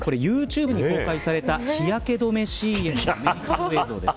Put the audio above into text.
ユーチューブに公開された日焼けどめのＣＭのメイキング映像です。